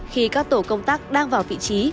khi các tổ công tác đang vào vị trí